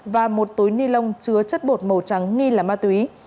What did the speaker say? và một túi ni lông chứa chất bột màu trắng nghi là ma túy